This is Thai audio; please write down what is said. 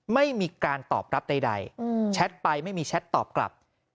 ไม่มีการตอบรับใดแชทไปไม่มีแชทตอบกลับ